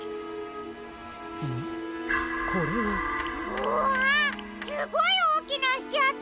うわすごいおおきなあしあと！